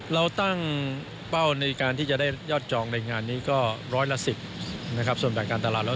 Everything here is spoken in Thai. เราตั้งเป้าในการที่จะได้ยอดจองในงานนี้ก็รถละ๑๐ส่วนแบบการตลาดรถละ๑๐